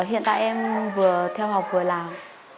hiện tại em vừa theo học vừa làm